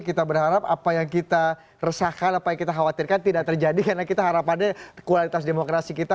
kita berharap apa yang kita resahkan apa yang kita khawatirkan tidak terjadi karena kita harap ada kualitas demokrasi kita